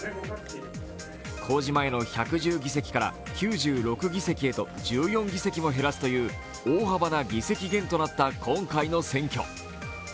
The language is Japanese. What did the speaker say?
公示前の１１０議席から９６議席へと１４議席も減らすという大幅な議席減となった今回の選挙。